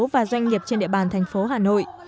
và doanh nghiệp trên địa bàn thành phố hà nội